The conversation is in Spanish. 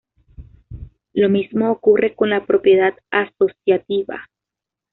Lo mismo ocurre con la propiedad asociativa.